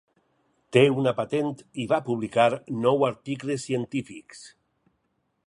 Té una patent i va publicar nou articles científics.